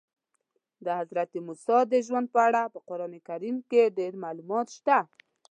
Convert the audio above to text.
د حضرت موسی د ژوند په اړه په قرآن کې ډېر معلومات شته.